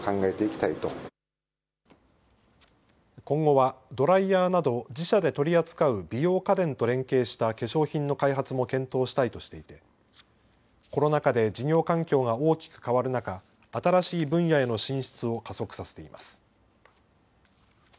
今後はドライヤーなど自社で取り扱う美容家電と連携した化粧品の開発も検討したいとしていてコロナ禍で事業環境が大きく変わる中、新しい分野への進出を加速させています。